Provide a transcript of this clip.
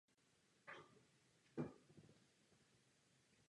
Jeho oblíbeným klubem je španělský Real Madrid.